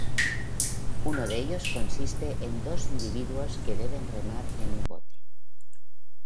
Uno de ellos consiste en dos individuos que deben remar en un bote.